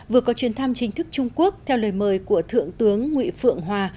vừa có chuyến thăm chính thức trung quốc theo lời mời của thượng tướng nguyễn phượng hòa